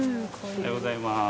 おはようございます。